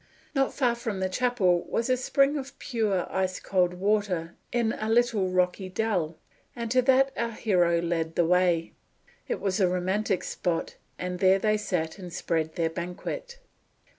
Not far from the chapel was a spring of pure ice cold water in a little rocky dell, and to that our hero led the way. It was a romantic spot; and there they sat, and spread their banquet.